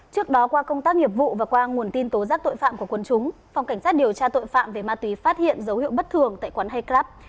trước đó qua công tác nghiệp vụ và qua nguồn tin tố giác tội phạm của quân chúng phòng cảnh sát điều tra tội phạm về ma túy phát hiện dấu hiệu bất thường tại quán hay club